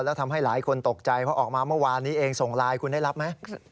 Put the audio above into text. แล้วทำให้หลายคนตกใจเพราะออกมาเมื่อวานนี้เองส่งไลน์คุณได้รับไหม